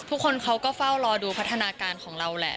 ทุกคนเขาก็เฝ้ารอดูพัฒนาการของเราแหละ